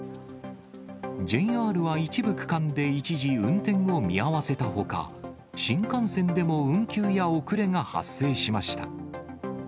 ＪＲは一部区間で一時運転を見合わせたほか、新幹線でも運休や遅れが発生しました。